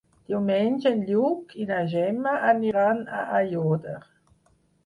Diumenge en Lluc i na Gemma aniran a Aiòder.